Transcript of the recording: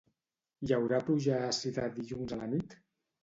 Hi haurà pluja àcida dilluns a la nit?